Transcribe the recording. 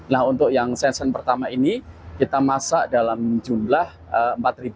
nah untuk yang senssen pertama ini kita masak dalam jumlah rp empat